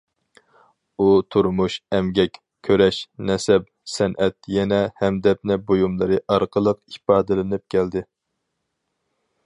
ئۇ تۇرمۇش، ئەمگەك، كۈرەش، نەسەب، سەنئەت، يەنە ھەمدەپنە بۇيۇملىرى ئارقىلىق ئىپادىلىنىپ كەلدى.